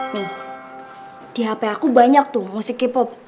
nih di hp aku banyak tuh musik k pop